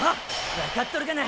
分かっとるがな。